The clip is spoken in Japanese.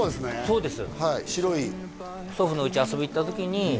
そうです